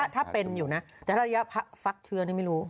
ถ้าเป็นอยู่นะแต่ถ้าระยะฟักเชื้อนี่ไม่รู้